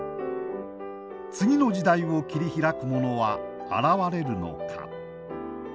次の時代を切り開く者は現れるのか。